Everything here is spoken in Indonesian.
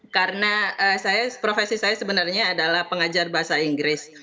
karena saya profesi saya sebenarnya adalah pengajar bahasa inggris